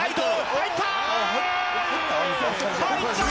入った！